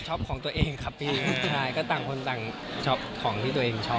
ของตัวเองครับพี่ใช่ก็ต่างคนต่างชอบของที่ตัวเองชอบ